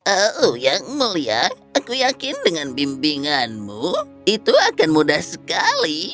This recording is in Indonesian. oh yang mulia aku yakin dengan bimbinganmu itu akan mudah sekali